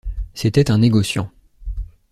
C’était un négociant.